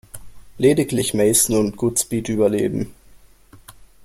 Lediglich Mason und Goodspeed überleben.